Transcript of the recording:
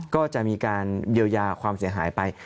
ก็จะมีการเยียวยาความเสียหายไป